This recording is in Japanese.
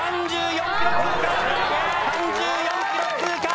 ３４ｋｍ通過３４ｋｍ通過。